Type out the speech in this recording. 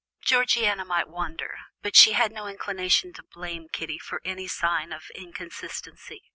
Georgiana might wonder, but she had no inclination to blame Kitty for any sign of inconsistency.